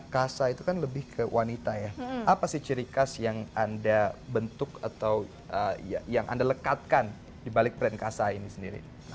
kasa itu kan lebih ke wanita ya apa sih ciri khas yang anda bentuk atau yang anda lekatkan di balik peran kasa ini sendiri